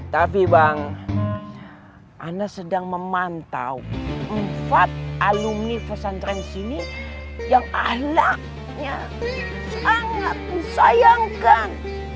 tapi bang ana sedang memantau empat alumni pesantren sini yang ahlaknya sangat disayangkan